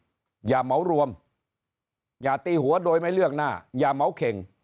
นะครับอย่าเมาส์รวมอย่าตีหัวโดยไม่เลือกหน้าอย่าเมาส์เข็ง